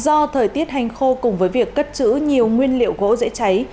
do thời tiết hành khô cùng với việc cất chữ nhiều nguyên liệu gỗ dễ cháy